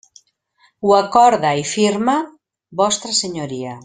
Ho acorda i firma Vostra Senyoria.